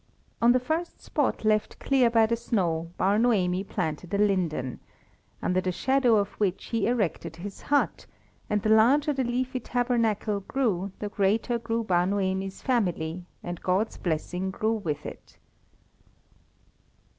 On the first spot left clear by the snow Bar Noemi planted a linden under the shadow of which he erected his hut, and the larger the leafy tabernacle grew the greater grew Bar Noemi's family, and God's blessing grew with it.